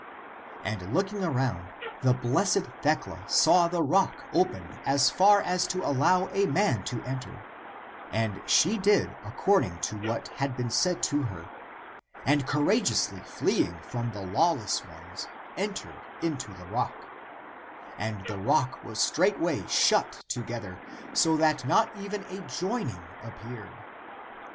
And looking up around, the blessed Thecla saw the rock opened as far as to allow a man to enter, and she did according to what had been said to her, and courageously fleeing from the lawless ones entered into the rock; and the rock was straightway shut together, so that not even a joining ap peared.